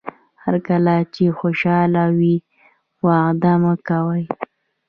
هر کله چې خوشاله وئ وعده مه کوئ.